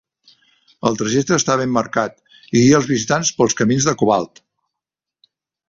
El trajecte està ben marcat, i guia els visitants pels camins de Cobalt.